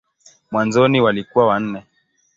Mwanzoni walikuwa wanne.